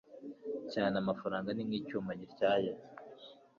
cyane amafaranga ni nk icyuma gityaye